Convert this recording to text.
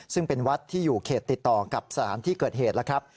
ซึ่งเป็นวัดที่อยู่เขตติดต่อกับสถานที่เกิดเหตุแล้วครับ